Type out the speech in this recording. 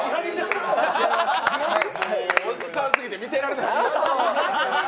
おじさんすぎて見てられない。